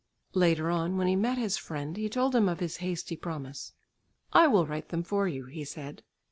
Later on when he met his friend, he told him of his hasty promise. "I will write them for you," he said.